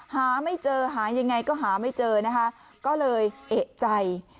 หาไม่เจอหายังไงก็หาไม่เจอนะคะก็เลยเอกใจ